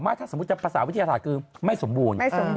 หรือมีลักษณะการเผ่าไหม้ประสาบวิทยาศาสตร์ก็ไม่สมบูรณ์